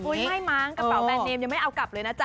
ไม่มั้งกระเป๋าแบรนเนมยังไม่เอากลับเลยนะจ๊